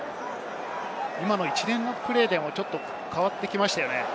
一連のプレーでもちょっと変わってきましたよね。